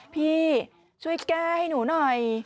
พี่ช่วยแก้ให้หนูหน่อย